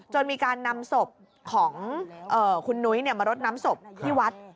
มีการนำศพของคุณนุ้ยมารดน้ำศพที่วัด